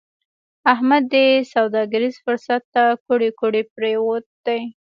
احمد دې سوداګريز فرصت ته کوړۍ کوړۍ پروت دی.